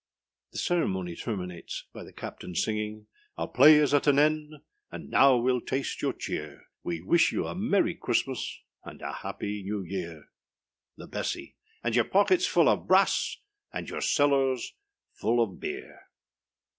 The ceremony terminates by the CAPTAIN _singing_â Our play is at an end, And now weâll taste your cheer; We wish you a merry Christmas, And a happy new year. The Bessy. And your pockets full of brass, And your cellars full of beer!